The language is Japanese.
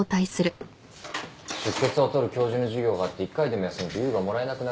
出欠を取る教授の授業があって１回でも休むと「優」がもらえなくなるんですよ。